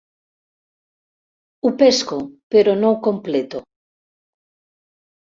Ho pesco, però no ho completo.